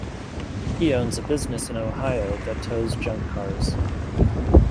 He owns a business in Ohio that tows junk cars.